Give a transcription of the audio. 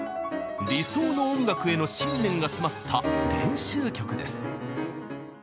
理想の音楽への信念が詰まった練習曲です。